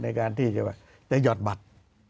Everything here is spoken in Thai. ในการที่จะหยอดบัตร